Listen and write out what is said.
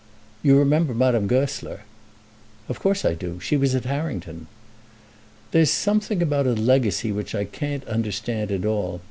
You remember Madame Goesler?" "Of course I do. She was at Harrington." "There's something about a legacy which I can't understand at all.